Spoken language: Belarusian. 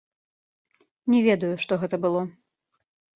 Не ведаю, што гэта было.